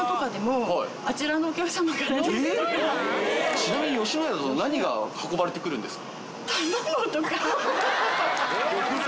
ちなみに野家だと何が運ばれて来るんですか？